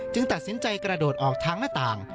ตัดสินใจกระโดดออกทางหน้าต่าง